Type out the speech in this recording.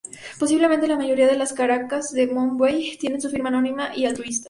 Posiblemente la mayoría de las carracas de Mombuey tengan su firma anónima y altruista.